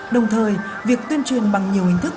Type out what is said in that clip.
đồng thời việc tuyên truyền bằng nhiều hình thức